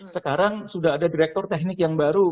sekarang sudah ada direktur teknik yang baru